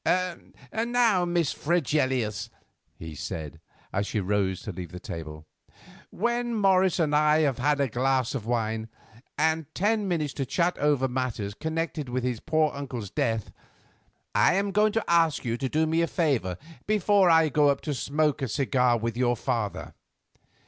"Now, Miss Fregelius," he said, as she rose to leave the table, "when Morris and I have had a glass of wine, and ten minutes to chat over matters connected with his poor uncle's death, I am going to ask you to do me a favour before I go up to smoke a cigar with your father.